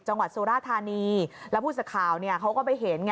จังหวัดสุรธานีแล้วผู้สักข่าวเขาก็ไปเห็นไง